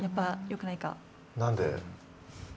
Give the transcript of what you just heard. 何で？